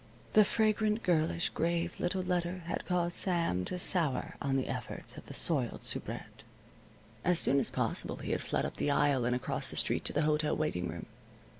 The fragrant, girlish, grave little letter had caused Sam to sour on the efforts of the soiled soubrette. As soon as possible he had fled up the aisle and across the street to the hotel writing room.